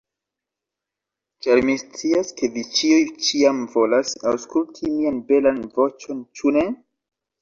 Ĉar, mi scias, ke vi ĉiuj, ĉiam volas aŭskulti mian belan voĉon, ĉu ne?